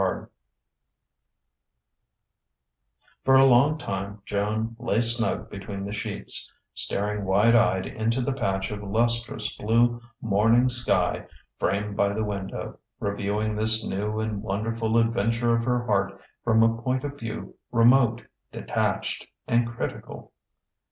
XIX For a long time Joan lay snug between the sheets, staring wide eyed into the patch of lustrous blue morning sky framed by the window, reviewing this new and wonderful adventure of her heart from a point of view remote, detached, and critical.